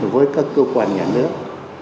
với các cơ quan nhà nước